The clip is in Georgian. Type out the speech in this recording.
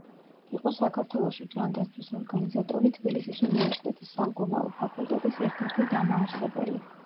იყო საქართველოში ჯანდაცვის ორგანიზატორი, თბილისის უნივერსიტეტის სამკურნალო ფაკულტეტის ერთ–ერთი დამაარსებელი.